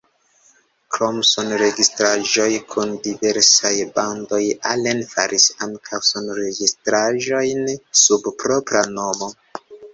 Krom sonregistraĵoj kun diversaj bandoj Allen faris ankaŭ sonregistraĵojn sub propra nomo.